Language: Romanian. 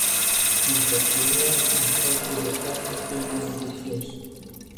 Dimpotrivă, am fost, de departe, cei mai ambițioși.